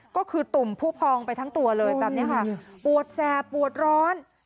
ก็คือตุ่มผู้พองไปทั้งตัวเลยปรวดแสบปรวดร้อน